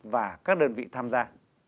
và các đơn vị tham gia